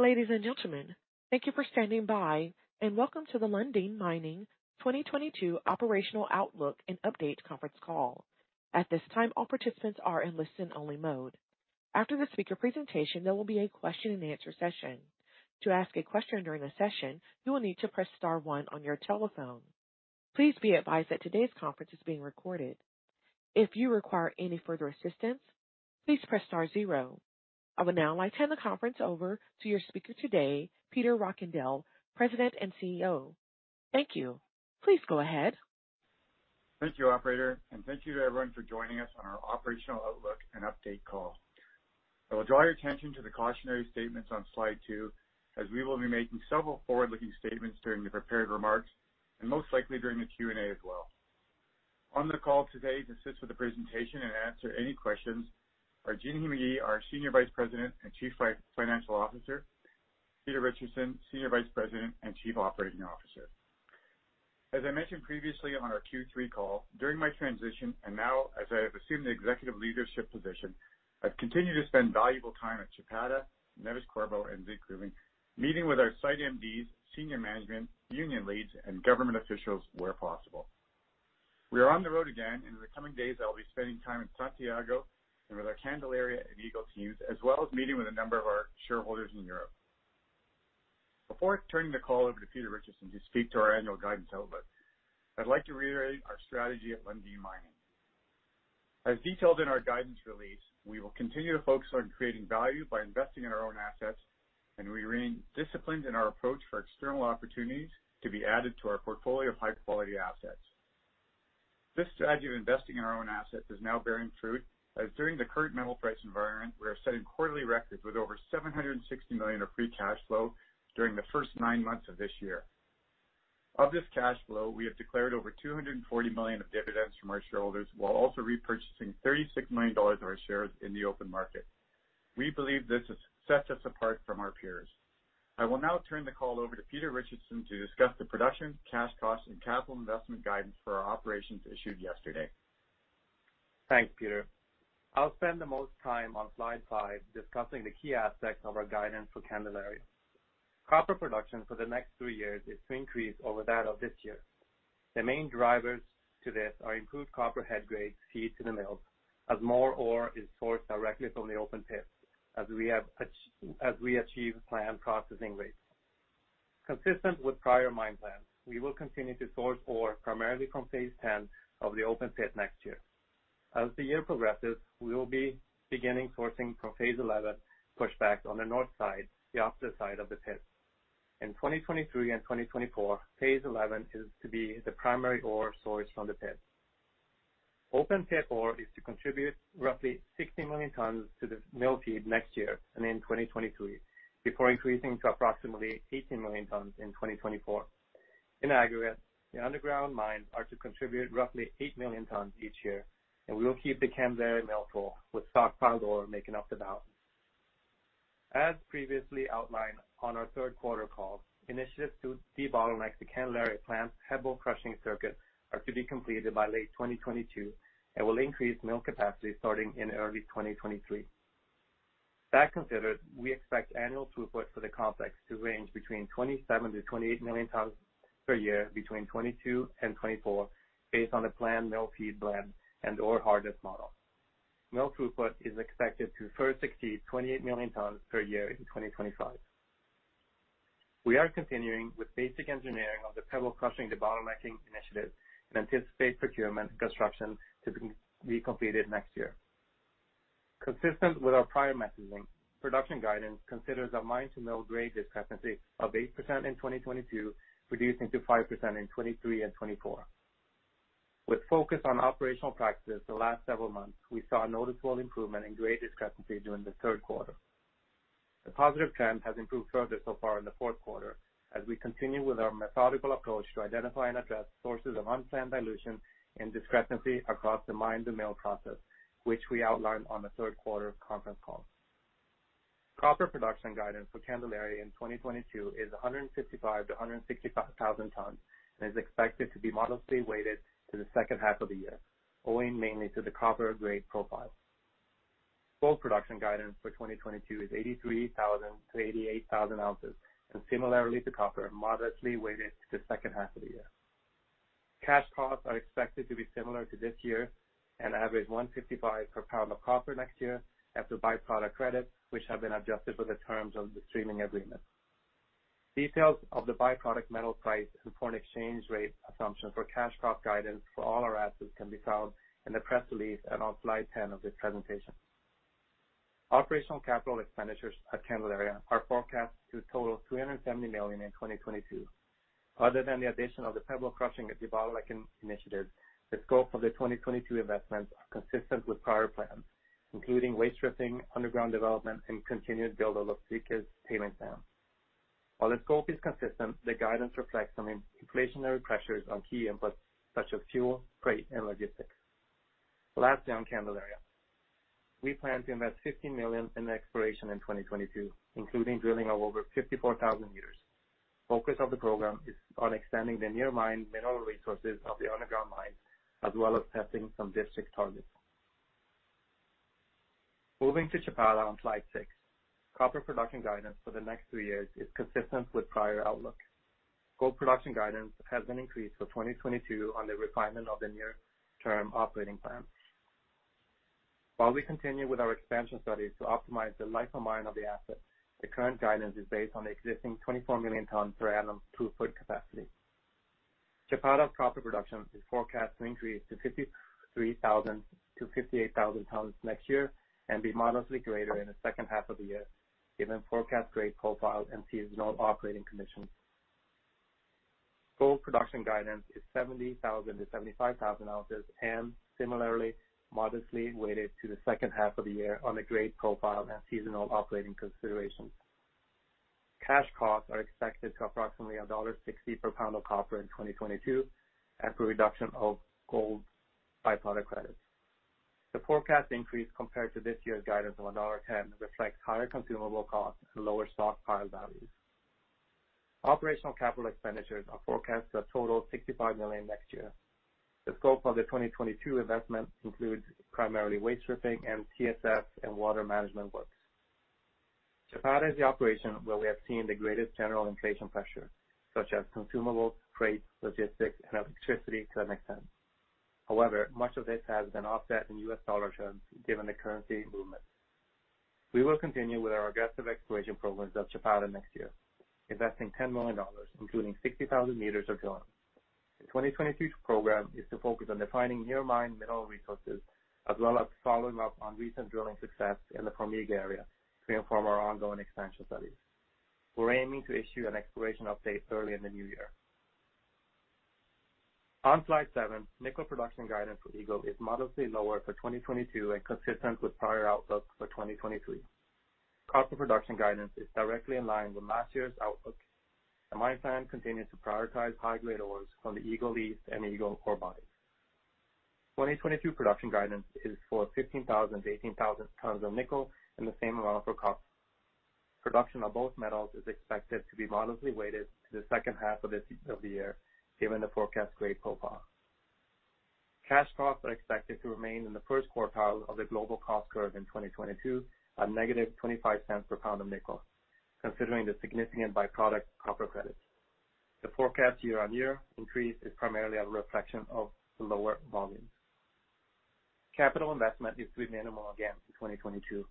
Ladies and gentlemen, thank you for standing by, and welcome to the Lundin Mining 2022 Operational Outlook and Update Conference Call. At this time, all participants are in listen only mode. After the speaker presentation, there will be a question and answer session. To ask a question during the session, you will need to press star one on your telephone. Please be advised that today's conference is being recorded. If you require any further assistance, please press star zero. I will now turn the conference over to your speaker today, Peter Rockandel, President and CEO. Thank you. Please go ahead. Thank you, operator, and thank you to everyone for joining us on our operational outlook and update call. I will draw your attention to the cautionary statements on slide two, as we will be making several forward-looking statements during the prepared remarks and most likely during the Q&A as well. On the call today to assist with the presentation and answer any questions are Jinhee Magie, our Senior Vice President and Chief Financial Officer, Peter Richardson, Senior Vice President and Chief Operating Officer. As I mentioned previously on our Q3 call, during my transition and now as I have assumed the executive leadership position, I've continued to spend valuable time at Chapada, Neves-Corvo, and Zinkgruvan, meeting with our site MDs, senior management, union leads, and government officials where possible. We are on the road again, and in the coming days, I will be spending time in Santiago and with our Candelaria and Eagle teams, as well as meeting with a number of our shareholders in Europe. Before turning the call over to Peter Richardson to speak to our annual guidance outlook, I'd like to reiterate our strategy at Lundin Mining. As detailed in our guidance release, we will continue to focus on creating value by investing in our own assets, and we remain disciplined in our approach for external opportunities to be added to our portfolio of high-quality assets. This strategy of investing in our own assets is now bearing fruit, as during the current metal price environment, we are setting quarterly records with over $760 million of free cash flow during the first nine months of this year. Of this cash flow, we have declared over $240 million of dividends from our shareholders, while also repurchasing $36 million of our shares in the open market. We believe this sets us apart from our peers. I will now turn the call over to Peter Richardson to discuss the production, cash costs, and capital investment guidance for our operations issued yesterday. Thanks, Peter. I'll spend the most time on slide five discussing the key aspects of our guidance for Candelaria. Copper production for the next two years is to increase over that of this year. The main drivers to this are improved copper head grades feed to the mill, as more ore is sourced directly from the open pit as we achieve planned processing rates. Consistent with prior mine plans, we will continue to source ore primarily from Phase X of the open pit next year. As the year progresses, we will be beginning sourcing from Phase XI, pushed back on the north side, the opposite side of the pit. In 2023 and 2024, Phase 11 is to be the primary ore source from the pit. Open pit ore is to contribute roughly 60 million tons to the mill feed next year and in 2023, before increasing to approximately 80 million tons in 2024. In aggregate, the underground mines are to contribute roughly eight million tons each year, and we will keep the Candelaria mill full with stockpile ore making up the balance. As previously outlined on our third quarter call, initiatives to debottleneck the Candelaria plant's pebble crushing circuit are to be completed by late 2022 and will increase mill capacity starting in early 2023. That considered, we expect annual throughput for the complex to range between 27-28 million tons per year between 2022 and 2024 based on the planned mill feed blend and ore hardness model. Mill throughput is expected to first exceed 28 million tons per year in 2025. We are continuing with basic engineering of the pebble crushing debottlenecking initiative and anticipate procurement and construction to be completed next year. Consistent with our prior messaging, production guidance considers a mine-to-mill grade discrepancy of 8% in 2022, reducing to 5% in 2023 and 2024. With focus on operational practices the last several months, we saw a noticeable improvement in grade discrepancy during the third quarter. The positive trend has improved further so far in the fourth quarter, as we continue with our methodical approach to identify and address sources of unplanned dilution and discrepancy across the mine-to-mill process, which we outlined on the third quarter conference call. Copper production guidance for Candelaria in 2022 is 155,000-165,000 tons and is expected to be modestly weighted to the H2 of the year, owing mainly to the copper grade profile. Gold production guidance for 2022 is 83,000-88,000 ounces, and similarly to copper, modestly weighted to the H2 of the year. Cash costs are expected to be similar to this year, an average $1.55 per pound of copper next year after byproduct credits, which have been adjusted for the terms of the streaming agreement. Details of the byproduct metal price and foreign exchange rate assumptions for cash cost guidance for all our assets can be found in the press release and on slide 10 of this presentation. Operational capital expenditures at Candelaria are forecast to total $270 million in 2022. Other than the addition of the pebble crushing debottlenecking initiative, the scope of the 2022 investments are consistent with prior plans, including waste stripping, underground development, and continued build of Luquillas tailings dam. While the scope is consistent, the guidance reflects some inflationary pressures on key inputs such as fuel, freight, and logistics. Lastly, on Candelaria, we plan to invest $50 million in exploration in 2022, including drilling of over 54,000 m. Focus of the program is on extending the near mine mineral resources of the underground mine, as well as testing some district targets. Moving to Chapada on slide six. Copper production guidance for the next three years is consistent with prior outlook. Gold production guidance has been increased for 2022 on the refinement of the near-term operating plan. While we continue with our expansion studies to optimize the life of mine of the asset, the current guidance is based on the existing 24 million tons per annum throughput capacity. Chapada copper production is forecast to increase to 53,000-58,000 tons next year and be modestly greater in the H2 of the year given forecast grade profile and seasonal operating conditions. Gold production guidance is 70,000-75,000 ounces and similarly modestly weighted to the H2 of the year on the grade profile and seasonal operating considerations. Cash costs are expected to approximately $1.60 per pound of copper in 2022 after reduction of gold byproduct credits. The forecast increase compared to this year's guidance of $1.10 reflects higher consumable costs and lower stockpile values. Operational capital expenditures are forecast to a total of $65 million next year. The scope of the 2022 investments includes primarily waste stripping and TSF and water management works. Chapada is the operation where we have seen the greatest general inflation pressure, such as consumables, freight, logistics, and electricity to name a few. However, much of this has been offset in U.S. dollar terms given the currency movement. We will continue with our aggressive exploration programs at Chapada next year, investing $10 million including 60,000 meters of drilling. The 2022 program is to focus on defining near mine mineral resources as well as following up on recent drilling success in the Formiga area to inform our ongoing expansion studies. We're aiming to issue an exploration update early in the new year. On slide seven, nickel production guidance for Eagle is modestly lower for 2022 and consistent with prior outlook for 2023. Copper production guidance is directly in line with last year's outlook. The mine plan continues to prioritize high-grade ores from the Eagle East and Eagle ore body. 2022 production guidance is for 15,000-18,000 tons of nickel and the same amount for copper. Production of both metals is expected to be modestly weighted to the H2 of the year given the forecast grade profile. Cash costs are expected to remain in the first quartile of the global cost curve in 2022 at -$0.25 per pound of nickel, considering the significant byproduct copper credits. The forecast year-on-year increase is primarily a reflection of the lower volumes. Capital investment is to be minimal again in 2022,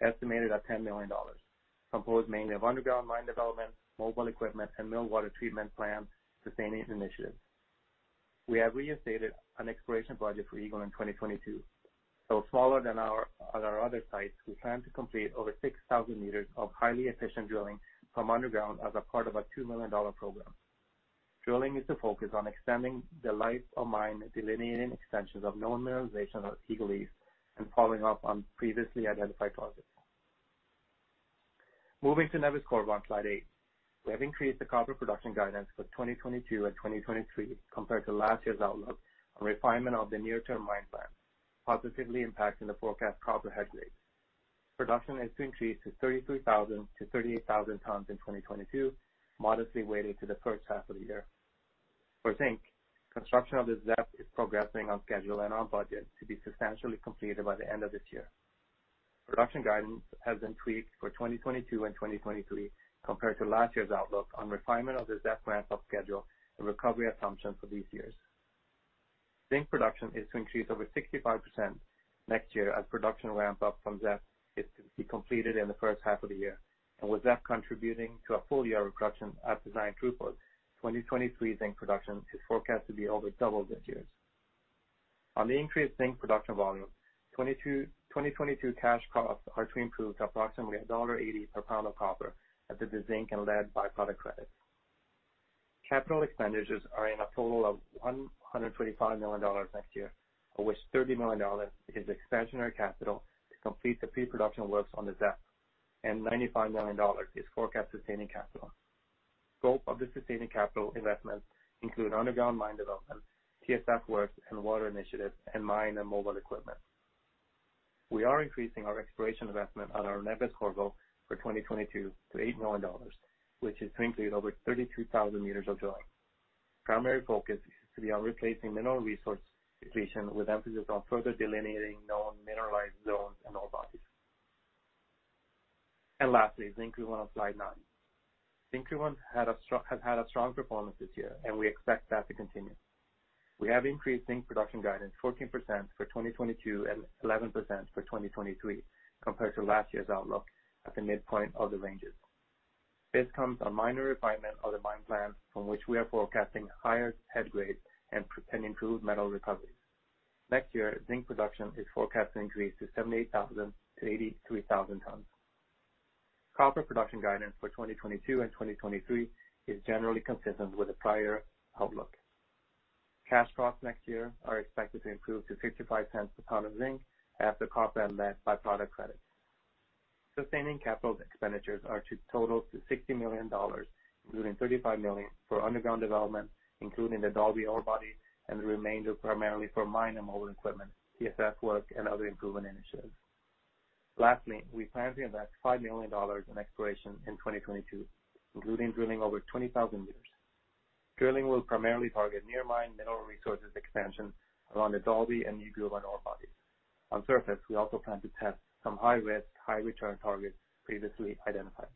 estimated at $10 million, composed mainly of underground mine development, mobile equipment and mill water treatment plant sustaining initiatives. We have reinstated an exploration budget for Eagle in 2022. Though smaller than at our other sites, we plan to complete over 6,000 m of highly efficient drilling from underground as a part of a $2 million program. Drilling is to focus on extending the life of mine, delineating extensions of known mineralization at Eagle East and following up on previously identified targets. Moving to Neves-Corvo on slide eight. We have increased the copper production guidance for 2022 and 2023 compared to last year's outlook on refinement of the near term mine plan, positively impacting the forecast copper head grade. Production is to increase to 33,000-38,000 tons in 2022, modestly weighted to the H1 of the year. For zinc, construction of the ZEP is progressing on schedule and on budget to be substantially completed by the end of this year. Production guidance has been tweaked for 2022 and 2023 compared to last year's outlook on refinement of the ZEP ramp-up schedule and recovery assumptions for these years. Zinc production is to increase over 65% next year as production ramps up from ZEP is to be completed in the H1 of the year, and with ZEP contributing to a full year of production at design throughput, 2023 zinc production is forecast to be over double this year's. On the increased zinc production volume, 2022 cash costs are to improve to approximately $1.80 per pound of copper after the zinc and lead byproduct credits. Capital expenditures are in a total of $125 million next year, of which $30 million is expansionary capital to complete the pre-production works on the ZEP, and $95 million is forecast sustaining capital. Scope of the sustaining capital investments include underground mine development, TSF works and water initiatives, and mine and mobile equipment. We are increasing our exploration investment at our Neves-Corvo for 2022 to $8 million, which is to include over 32,000 m of drilling. Primary focus is to be on replacing mineral resource depletion with emphasis on further delineating known mineralized zones and ore bodies. Lastly, Zinkgruvan on slide nine. Zinkgruvan has had a strong performance this year, and we expect that to continue. We have increased zinc production guidance 14% for 2022 and 11% for 2023 compared to last year's outlook at the midpoint of the ranges. This comes on minor refinement of the mine plan from which we are forecasting higher head grade and improved metal recoveries. Next year, zinc production is forecast to increase to 78,000-83,000 tons. Copper production guidance for 2022 and 2023 is generally consistent with the prior outlook. Cash costs next year are expected to improve to $0.55 per pound of zinc after copper and lead byproduct credits. Sustaining capital expenditures are to total $60 million, including $35 million for underground development, including the Dalby ore body and the remainder primarily for mine and mobile equipment, TSF work, and other improvement initiatives. Lastly, we plan to invest $5 million in exploration in 2022, including drilling over 20,000 m. Drilling will primarily target near mine mineral resources expansion around the Dalby and Burkland mineral bodies. On surface, we also plan to test some high-risk, high-return targets previously identified.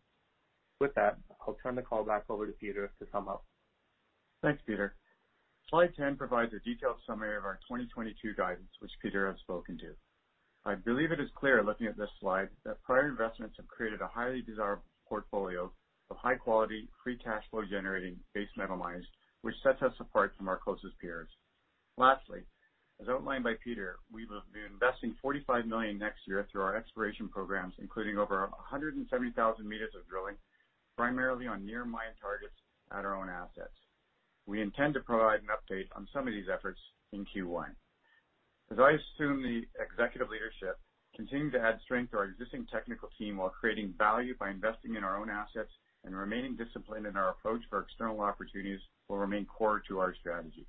With that, I'll turn the call back over to Peter to sum up. Thanks, Peter. Slide 10 provides a detailed summary of our 2022 guidance, which Peter has spoken to. I believe it is clear looking at this slide that prior investments have created a highly desirable portfolio of high quality, free cash flow generating base metal mines, which sets us apart from our closest peers. Lastly, as outlined by Peter, we will be investing $45 million next year through our exploration programs, including over 170,000 m of drilling, primarily on near mine targets at our own assets. We intend to provide an update on some of these efforts in Q1. As I assume the executive leadership, continuing to add strength to our existing technical team while creating value by investing in our own assets and remaining disciplined in our approach for external opportunities will remain core to our strategy.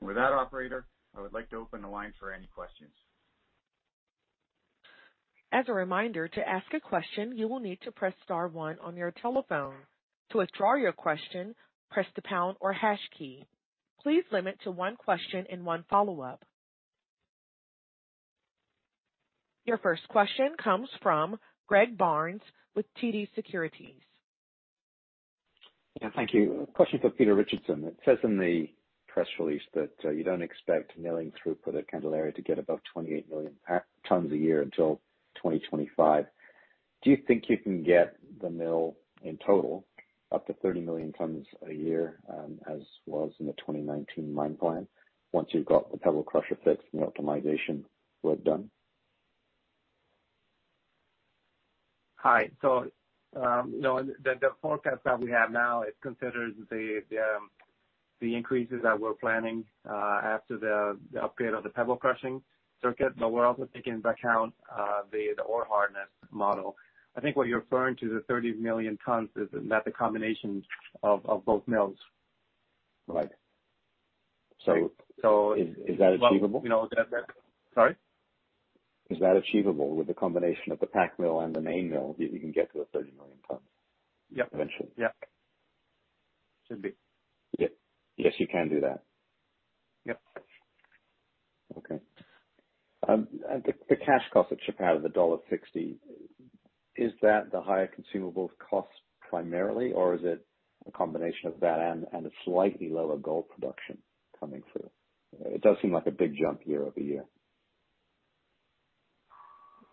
With that operator, I would like to open the line for any questions. As a reminder, to ask a question, you will need to press star one on your telephone. To withdraw your question, press the pound or hash key. Please limit to one question and one follow-up. Your first question comes from Greg Barnes with TD Securities. Yeah, thank you. A question for Peter Richardson. It says in the press release that you don't expect milling throughput at Candelaria to get above 28 million tons a year until 2025. Do you think you can get the mill, in total, up to 30 million tons a year, as was in the 2019 mine plan once you've got the pebble crusher fixed and the optimization work done? No, the forecast that we have now considers the increases that we're planning after the upgrade of the pebble crushing circuit. We're also taking into account the ore hardness model. I think what you're referring to, the 30 million tons, is the combination of both mills. Right. So- Is that achievable? Well, you know, that. Sorry? Is that achievable, with the combination of the SAG mill and the main mill, you can get to the 30 million tons? Yep. -eventually? Yeah. Should be. Yes, you can do that. Yep. Okay. The cash cost of Chapada, $1.60, is that the higher consumables cost primarily, or is it a combination of that and a slightly lower gold production coming through? It does seem like a big jump year-over-year.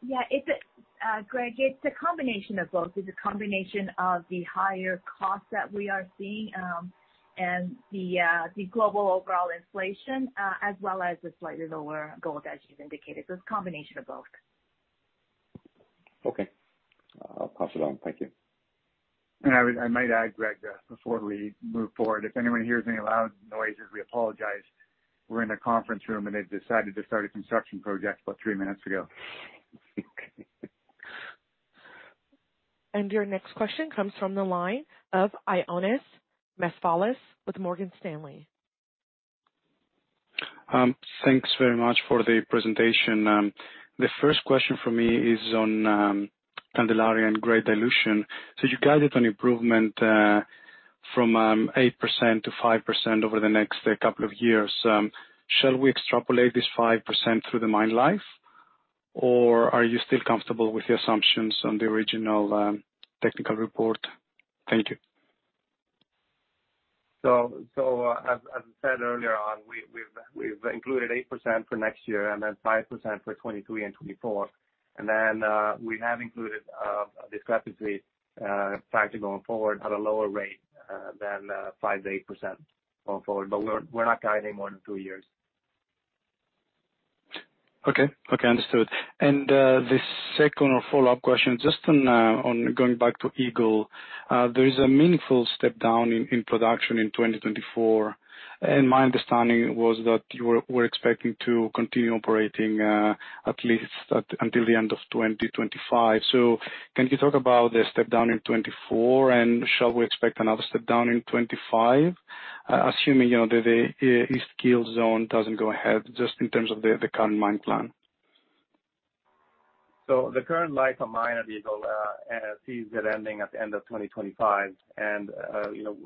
Yeah. It's a, Greg, it's a combination of both. It's a combination of the higher costs that we are seeing, and the global overall inflation, as well as the slightly lower gold, as you've indicated. It's a combination of both. Okay. I'll pass it on. Thank you. I would, I might add, Greg, before we move forward, if anyone hears any loud noises, we apologize. We're in a conference room, and they've decided to start a construction project about three minutes ago. Your next question comes from the line of Ioannis Masvouras with Morgan Stanley. Thanks very much for the presentation. The first question from me is on Candelaria and grade dilution. You guided on improvement from 8%-5% over the next couple of years. Shall we extrapolate this 5% through the mine life, or are you still comfortable with the assumptions on the original technical report? Thank you. As I said earlier on, we've included 8% for next year and then 5% for 2023 and 2024. We have included a depreciation factor going forward at a lower rate than 5%-8% going forward. We're not guiding more than two years. Okay, understood. The second or follow-up question, just on going back to Eagle. There is a meaningful step down in production in 2024, and my understanding was that you were expecting to continue operating at least until the end of 2025. Can you talk about the step down in 2024, and shall we expect another step down in 2025, assuming the East Keel Zone doesn't go ahead just in terms of the current mine plan? The current life of mine at Eagle sees it ending at the end of 2025. You know,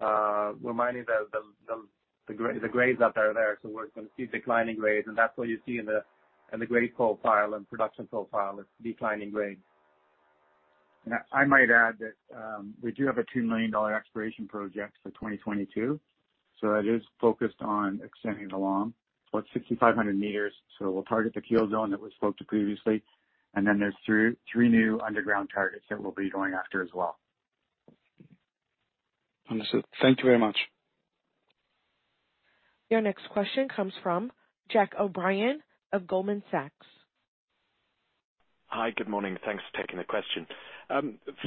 we're mining the grades that are there, so we're gonna see declining grades, and that's what you see in the grade profile and production profile. It's declining grades. I might add that we do have a $2 million exploration project for 2022, so that is focused on extending along 6,500 m. We'll target the Keel Zone that was spoke to previously, and then there's three new underground targets that we'll be going after as well. Understood. Thank you very much. Your next question comes from Jack O'Brien of Goldman Sachs. Hi. Good morning. Thanks for taking the question.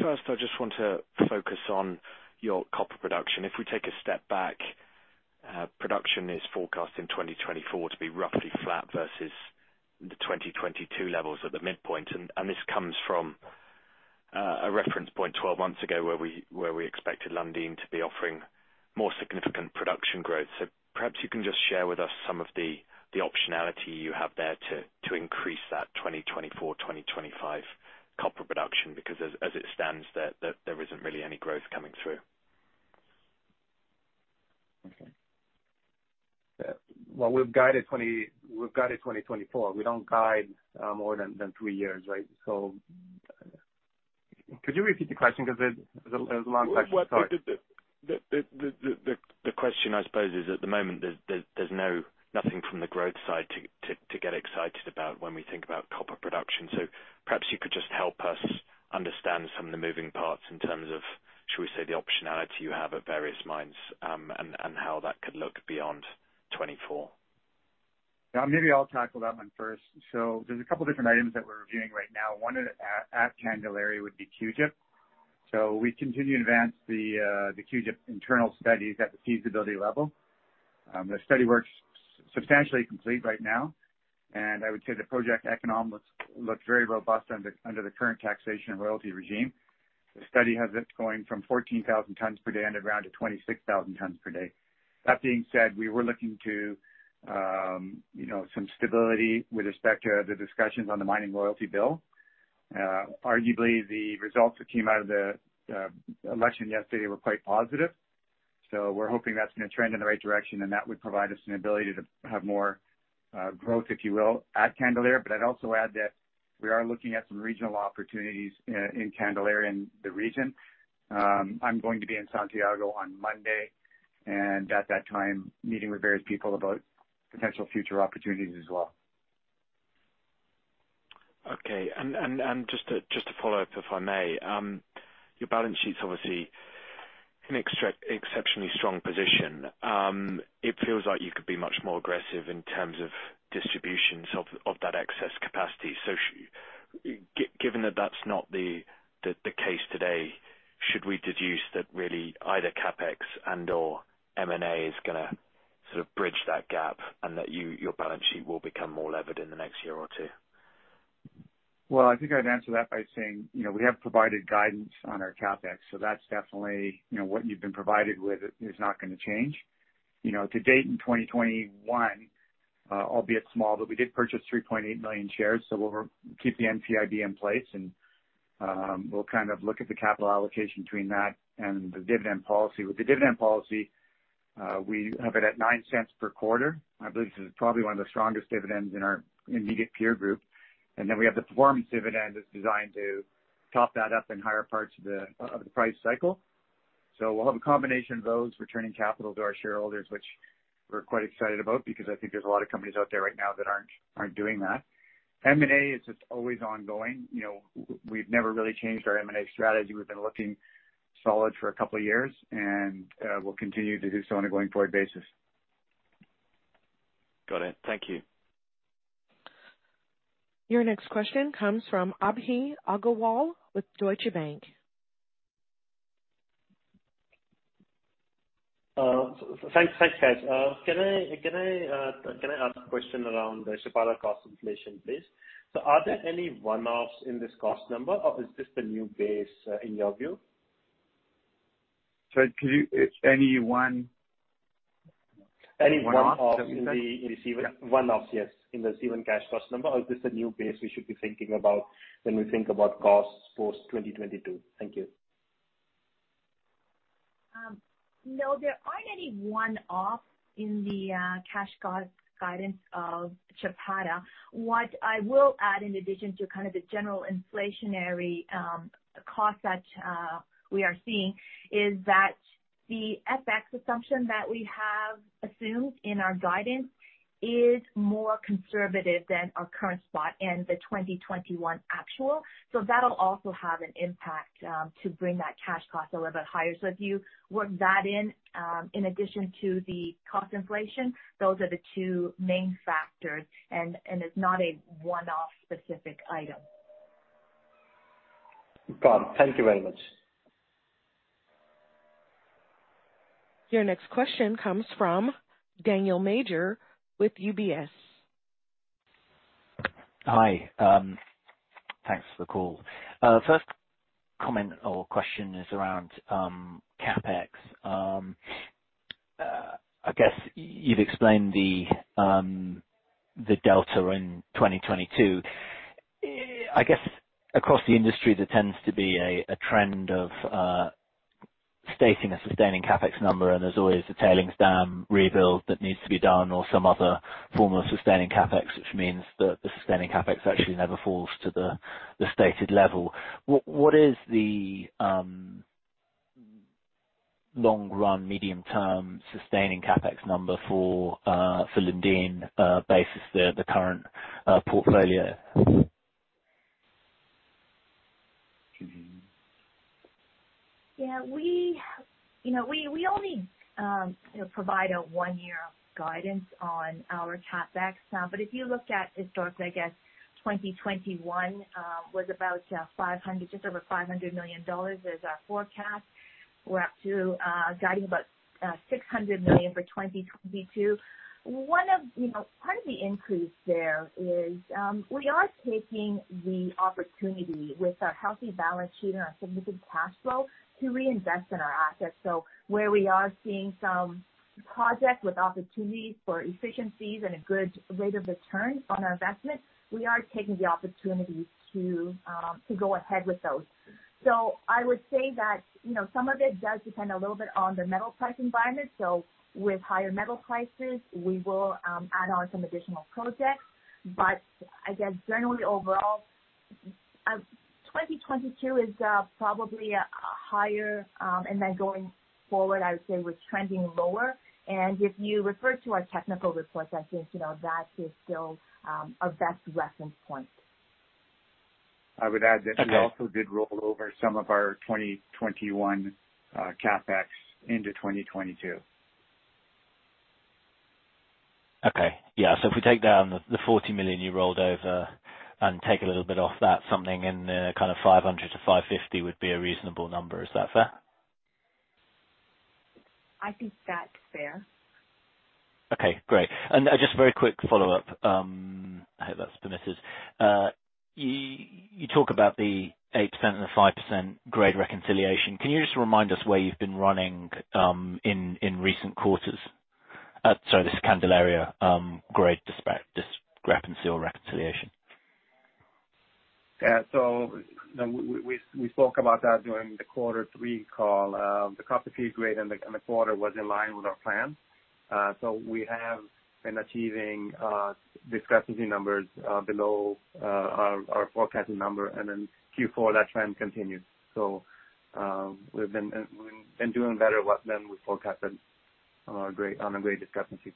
First I just want to focus on your copper production. If we take a step back, production is forecast in 2024 to be roughly flat versus the 2022 levels at the midpoint. This comes from- As a reference point 12 months ago where we expected Lundin to be offering more significant production growth. Perhaps you can just share with us some of the optionality you have there to increase that 2024/2025 copper production. Because as it stands there isn't really any growth coming through. Okay. Well, we've guided 2024. We don't guide more than three years, right? Could you repeat the question because it was a long question? Sorry. What the question, I suppose, is at the moment there's nothing from the growth side to get excited about when we think about copper production. Perhaps you could just help us understand some of the moving parts in terms of, should we say, the optionality you have at various mines, and how that could look beyond 2024. Yeah, maybe I'll tackle that one first. There's a couple different items that we're reviewing right now. One at Candelaria would be QIP. We continue to advance the QIP internal studies at the feasibility level. The study work's substantially complete right now, and I would say the project economics look very robust under the current taxation and royalty regime. The study has it going from 14,000 tons per day underground to 26,000 tons per day. That being said, we were looking to you know, some stability with respect to the discussions on the mining royalty bill. Arguably the results that came out of the election yesterday were quite positive, so we're hoping that's gonna trend in the right direction and that would provide us an ability to have more growth, if you will, at Candelaria. I'd also add that we are looking at some regional opportunities in Candelaria and the region. I'm going to be in Santiago on Monday, and at that time, meeting with various people about potential future opportunities as well. Just to follow-up, if I may. Your balance sheet's obviously in exceptionally strong position. It feels like you could be much more aggressive in terms of distributions of that excess capacity. Given that that's not the case today, should we deduce that really either CapEx and/or M&A is gonna sort of bridge that gap and that your balance sheet will become more levered in the next year or two? Well, I think I'd answer that by saying, you know, we have provided guidance on our CapEx, so that's definitely, you know, what you've been provided with is not gonna change. You know, to date in 2021, albeit small, but we did purchase 3.8 million shares, so we'll re-keep the NCIB in place and we'll kind of look at the capital allocation between that and the dividend policy. With the dividend policy, we have it at $0.09 per quarter. I believe this is probably one of the strongest dividends in our immediate peer group. Then we have the performance dividend that's designed to top that up in higher parts of the price cycle. We'll have a combination of those returning capital to our shareholders, which we're quite excited about because I think there's a lot of companies out there right now that aren't doing that. M&A is just always ongoing. You know, we've never really changed our M&A strategy. We've been looking solid for a couple of years and we'll continue to do so on a going forward basis. Got it. Thank you. Your next question comes from Abhinandan Agarwal with Deutsche Bank. Thanks, guys. Can I ask a question around the Chapada cost inflation, please? Are there any one-offs in this cost number, or is this the new base, in your view? Sorry, could you... Any one- Any one-off- One-offs. In the C1. Yeah. One-offs, yes, in the C1 cash cost number, or is this a new base we should be thinking about when we think about costs post 2022? Thank you. No, there aren't any one-off in the cash cost guidance of Chapada. What I will add in addition to kind of the general inflationary cost that we are seeing is that the FX assumption that we have assumed in our guidance is more conservative than our current spot in the 2021 actual. That'll also have an impact to bring that cash cost a little bit higher. If you work that in addition to the cost inflation, those are the two main factors and it's not a one-off specific item. Got it. Thank you very much. Your next question comes from Daniel Major with UBS. Hi. Thanks for the call. First comment or question is around CapEx. I guess you've explained the delta in 2022. I guess across the industry, there tends to be a trend of stating a sustaining CapEx number, and there's always a tailings dam rebuild that needs to be done or some other form of sustaining CapEx, which means that the sustaining CapEx actually never falls to the stated level. What is the long run, medium term sustaining CapEx number for Lundin based on the current portfolio? Can you- Yeah. We, you know, we only provide a one-year guidance on our CapEx. But if you look at historically, I guess 2021 was about just over $500 million as our forecast. We're up to guiding about $600 million for 2022. One of, you know, part of the increase there is we are taking the opportunity with our healthy balance sheet and our significant cash flow to reinvest in our assets. Where we are seeing some projects with opportunities for efficiencies and a good rate of return on our investment, we are taking the opportunity to go ahead with those. I would say that, you know, some of it does depend a little bit on the metal price environment. With higher metal prices, we will add on some additional projects. I guess generally overall, 2022 is probably higher, and then going forward, I would say we're trending lower. If you refer to our technical report, I think, you know, that is still our best reference point. I would add that we also did roll over some of our 2021 CapEx into 2022. Okay. Yeah. If we take down the $40 million you rolled over and take a little bit off that, something in the kind of $500 million-$550 million would be a reasonable number. Is that fair? I think that's fair. Okay, great. Just a very quick follow-up, I hope that's permitted. You talk about the 8% and the 5% grade reconciliation. Can you just remind us where you've been running in recent quarters? Sorry, this Candelaria grade discrepancy or reconciliation. Yeah. We spoke about that during the quarter three call. The copper feed grade in the quarter was in line with our plan. We have been achieving discrepancy numbers below our forecasted number. Q4, that trend continued. We've been doing better than we forecasted on our grade, on the grade discrepancy.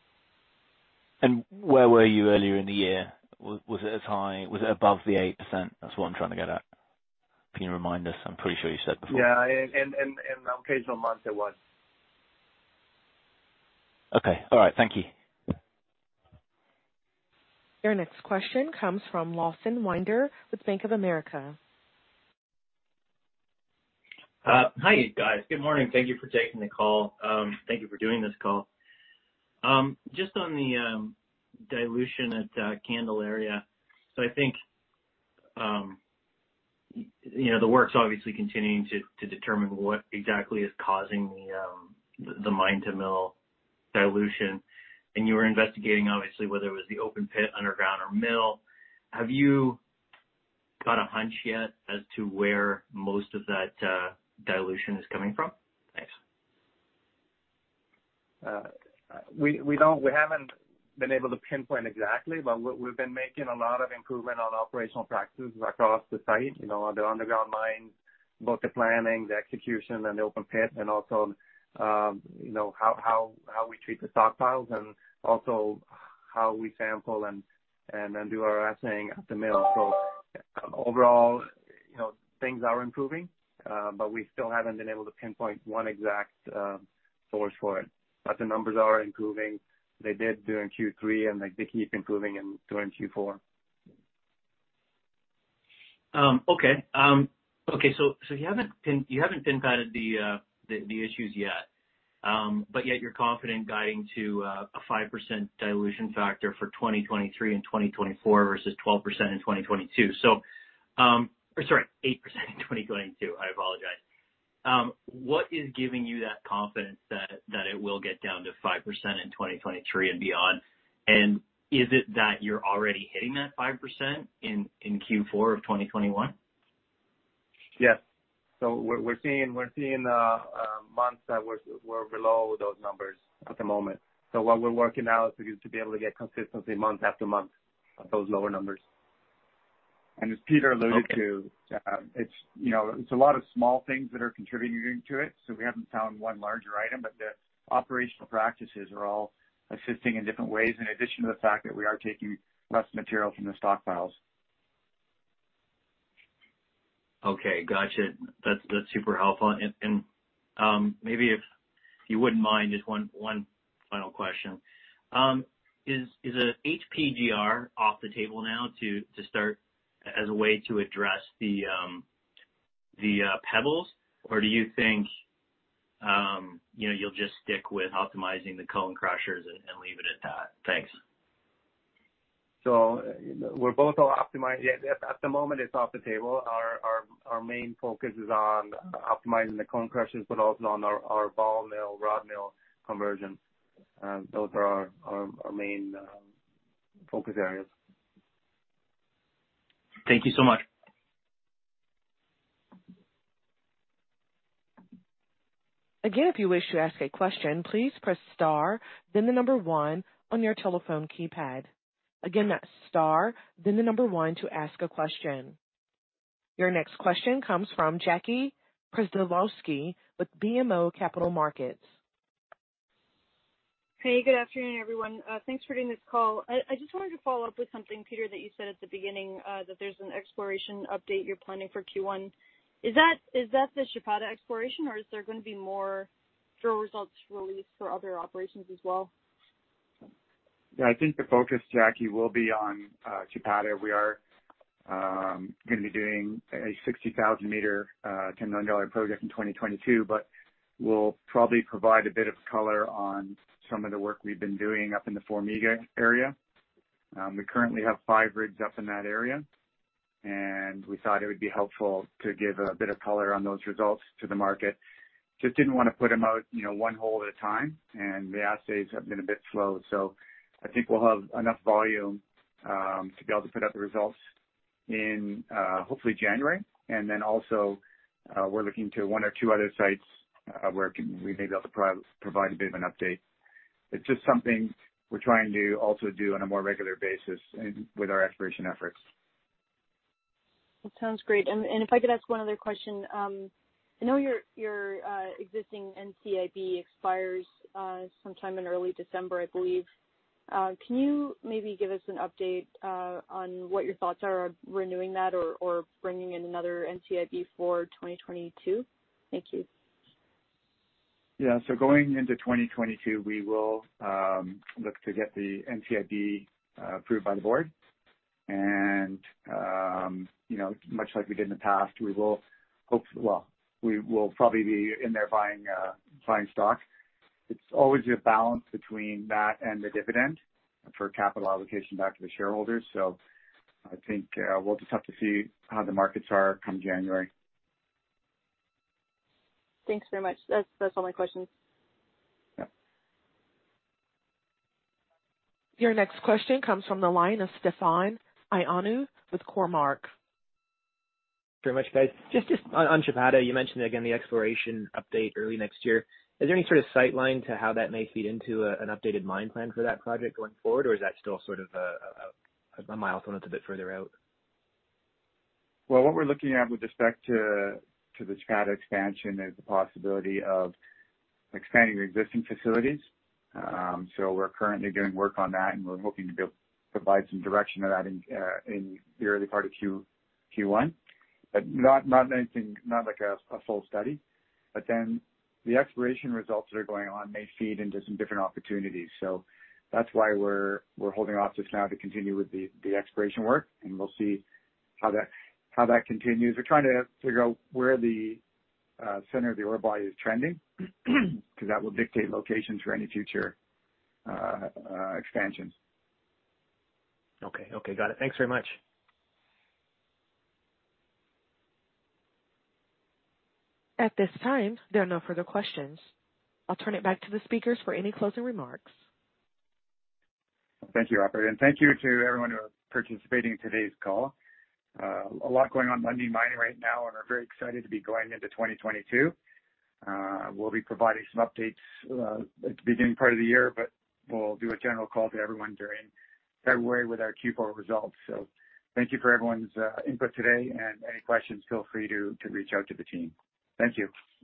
Where were you earlier in the year? Was it as high? Was it above the 8%? That's what I'm trying to get at. Can you remind us? I'm pretty sure you said before. Yeah. In occasional months it was. Okay. All right. Thank you. Your next question comes from Lawson Winder with Bank of America. Hi guys. Good morning. Thank you for taking the call. Thank you for doing this call. Just on the dilution at Candelaria. I think you know, the work's obviously continuing to determine what exactly is causing the mine to mill dilution. You were investigating obviously, whether it was the open pit underground or mill. Have you got a hunch yet as to where most of that dilution is coming from? Thanks. We haven't been able to pinpoint exactly, but we've been making a lot of improvement on operational practices across the site, you know, the underground mines, both the planning, the execution and the open pit, and also, you know, how we treat the stockpiles and also how we sample and then do our assaying at the mill. So overall, you know, things are improving, but we still haven't been able to pinpoint one exact source for it. But the numbers are improving. They did during Q3, and they keep improving during Q4. Okay. Okay, so you haven't pinpointed the issues yet. Yet you're confident guiding to a 5% dilution factor for 2023 and 2024 versus 12% in 2022. Or sorry, 8% in 2022. I apologize. What is giving you that confidence that it will get down to 5% in 2023 and beyond? Is it that you're already hitting that 5% in Q4 of 2021? Yes. We're seeing months that we're below those numbers at the moment. What we're working now is to be able to get consistency month after month at those lower numbers. As Peter alluded to. Okay. It's, you know, it's a lot of small things that are contributing to it. We haven't found one larger item, but the operational practices are all assisting in different ways, in addition to the fact that we are taking less material from the stockpiles. Okay, got you. That's super helpful. Maybe if you wouldn't mind just one final question. Is HPGR off the table now to start as a way to address the pebbles? Do you think you know you'll just stick with optimizing the cone crushers and leave it at that? Thanks. We're both optimizing. At the moment it's off the table. Our main focus is on optimizing the cone crushers, but also on our ball mill, rod mill conversion. Those are our main focus areas. Thank you so much. Your next question comes from Jackie Przybylowska with BMO Capital Markets. Hey, good afternoon, everyone. Thanks for doing this call. I just wanted to follow up with something, Peter, that you said at the beginning, that there's an exploration update you're planning for Q1. Is that the Chapada exploration or is there gonna be more drill results released for other operations as well? Yeah, I think the focus, Jackie, will be on Chapada. We are gonna be doing a 60,000 m $10 million project in 2022, but we'll probably provide a bit of color on some of the work we've been doing up in the Formiga area. We currently have five rigs up in that area, and we thought it would be helpful to give a bit of color on those results to the market. Just didn't wanna put 'em out, you know, 1 hole at a time, and the assays have been a bit slow. I think we'll have enough volume to be able to put out the results in hopefully January. We're looking to 1 or 2 other sites where we may be able to provide a bit of an update. It's just something we're trying to also do on a more regular basis in with our exploration efforts. That sounds great. If I could ask one other question, I know your existing NCIB expires sometime in early December, I believe. Can you maybe give us an update on what your thoughts are on renewing that or bringing in another NCIB for 2022? Thank you. Yeah. Going into 2022, we will look to get the NCIB approved by the board. You know, much like we did in the past, we will probably be in there buying stock. It's always a balance between that and the dividend for capital allocation back to the shareholders. I think we'll just have to see how the markets are come January. Thanks very much. That's all my questions. Yeah. Your next question comes from the line of Stefan Ioannou with Cormark. Very much, guys. Just on Chapada, you mentioned again the exploration update early next year. Is there any sort of line of sight to how that may feed into an updated mine plan for that project going forward? Or is that still sort of a milestone that's a bit further out? Well, what we're looking at with respect to the Chapada expansion is the possibility of expanding our existing facilities. We're currently doing work on that, and we're hoping to be able to provide some direction of that in the early part of Q1, not anything like a full study. The exploration results that are going on may feed into some different opportunities. That's why we're holding off just now to continue with the exploration work, and we'll see how that continues. We're trying to figure out where the center of the ore body is trending, 'cause that will dictate locations for any future expansions. Okay. Got it. Thanks very much. At this time, there are no further questions. I'll turn it back to the speakers for any closing remarks. Thank you, operator, and thank you to everyone who are participating in today's call. A lot going on at Lundin Mining right now, and we're very excited to be going into 2022. We'll be providing some updates at the beginning part of the year, but we'll do a general call to everyone during February with our Q4 results. Thank you for everyone's input today and any questions, feel free to reach out to the team. Thank you.